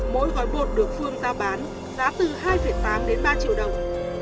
mỗi gói bột được phương ra bán giá từ hai tám ba triệu đồng